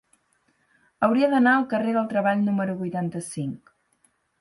Hauria d'anar al carrer del Treball número vuitanta-cinc.